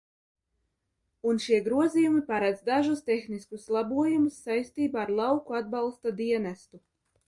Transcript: Un šie grozījumi paredz dažus tehniskus labojumus saistībā ar Lauku atbalsta dienestu.